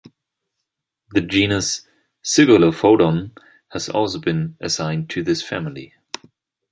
The genus "Zygolophodon" has also been assigned to this family.